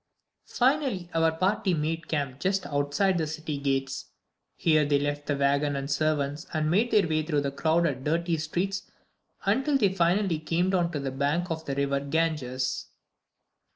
Finally our party made camp just outside the city gates. Here they left the wagon and servants and made their way through the crowded, dirty streets until they finally came down to the banks of the river Ganges.